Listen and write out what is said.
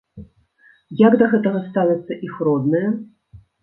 Як да гэта ставяцца іх родныя?